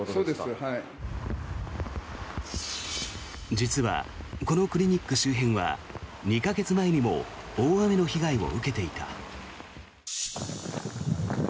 実はこのクリニック周辺は２か月前にも大雨の被害を受けていた。